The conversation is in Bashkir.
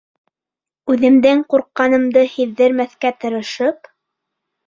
Үҙемдең ҡурҡҡанымды һиҙҙермәҫкә тырышып: